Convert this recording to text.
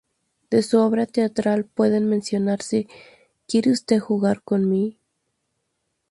De su obra teatral pueden mencionarse "¿Quiere usted jugar con mí?